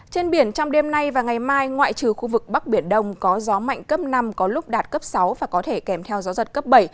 trên biển trong đêm nay và ngày mai ngoại trừ khu vực bắc biển đông có gió mạnh cấp năm có lúc đạt cấp sáu và có thể kèm theo gió giật cấp bảy